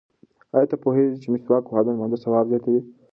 ایا ته پوهېږې چې مسواک وهل د لمانځه ثواب زیاتوي؟